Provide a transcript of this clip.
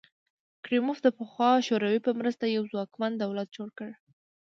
کریموف د پخوا شوروي په مرسته یو ځواکمن دولت جوړ کړ.